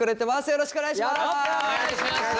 よろしくお願いします。